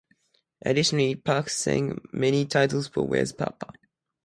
Additionally Parks sang main titles for Where's Papa?